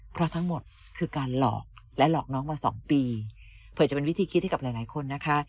เพราะทั้งหมดคือการหลอกและหลอกน้องมาสองปีเผื่อจะเป็นวิธีคิดให้กับหลายหลายคนนะคะ